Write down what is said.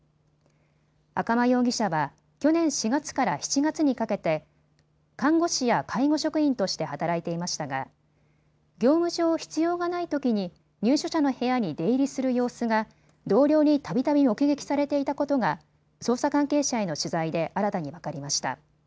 赤間容疑者は去年４月から７月にかけて看護師や介護職員として働いていましたが業務上必要がないときに入所者の部屋に出入りする様子が同僚にたびたび目撃されていたことが捜査関係者への取材で新たに分かりました。